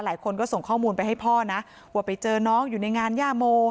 หลายคนก็ส่งข้อมูลไปให้พ่อนะว่าไปเจอน้องอยู่ในงานย่าโม